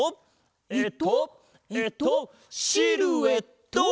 えっとえっとシルエット！